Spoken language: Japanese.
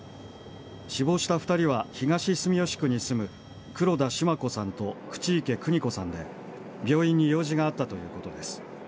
死亡した２人は東住吉区に住む黒田シマ子さんと口池邦子さんで病院に用事があったということです。